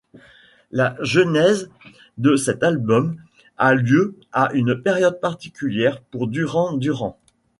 La genèse de cet album a lieu à une période particulière pour Duran Duran.